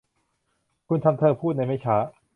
คุณทำเธอพูดในไม่ช้า